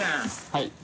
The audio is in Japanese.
はい。